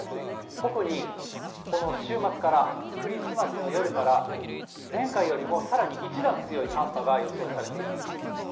特にこの週末からクリスマスの夜から前回よりもさらに一段強い寒波が予想されています。